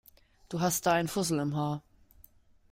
Du hast da einen Fussel im Haar.